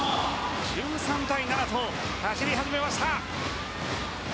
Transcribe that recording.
１３対７と走り始めました。